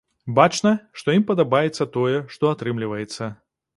Бачна, што ім падабаецца тое, што атрымліваецца.